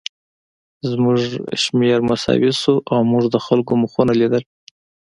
زموږ شمېر مساوي شو او موږ د خلکو مخونه لیدل